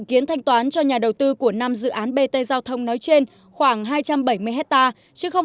kiến thanh toán cho nhà đầu tư của năm dự án bt giao thông nói trên khoảng hai trăm bảy mươi hectare chứ không